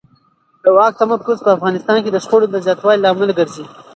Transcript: د واک تمرکز په افغانستان کې د شخړو د زیاتوالي لامل ګرځي